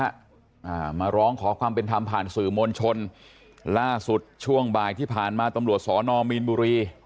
อ่ามาร้องขอความเป็นธรรมผ่านสื่อมวลชนล่าสุดช่วงบ่ายที่ผ่านมาตำรวจสอนอมีนบุรี